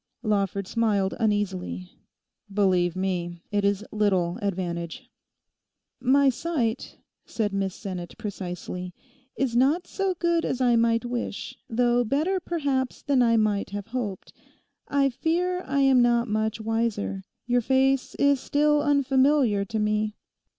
Lawford smiled uneasily. 'Believe me, it is little advantage.' 'My sight,' said Miss Sinnet precisely, 'is not so good as I might wish; though better perhaps than I might have hoped; I fear I am not much wiser; your face is still unfamiliar to me.